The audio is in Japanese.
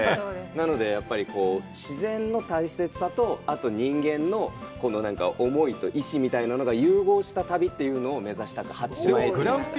なので、やっぱり自然の大切さと、あと人間の思いと意思みたいなのが融合した旅というのを目指したかったので、初島へ行ってきました。